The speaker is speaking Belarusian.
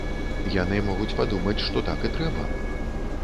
Яны могуць падумаць, што так і трэба.